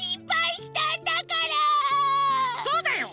そうだよ！